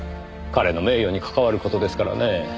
彼の名誉に関わる事ですからね